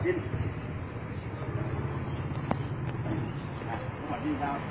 สิทธิ์มันคือลักเลงลักอย่างเล่งอันนั้นแหละ